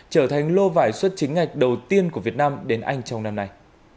trở thành lô vải xuất chính ngạch đầu tiên của việt nam đến anh trong năm nay